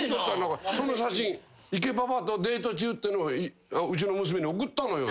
その写真「池パパとデート中」ってうちの娘に送ったのよＬＩＮＥで。